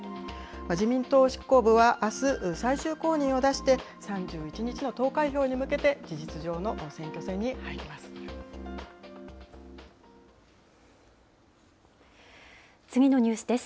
自民党執行部は、あす、最終公認を出して、３１日の投開票に向けて、事実上の選挙戦に入ります。